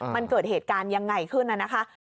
มันเกิดเหตุการณ์ยังไงขึ้นน่ะนะคะ